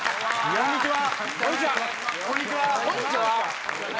こんにちは。